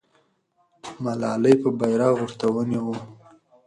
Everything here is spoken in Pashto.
ملالۍ به بیرغ ورته نیوه.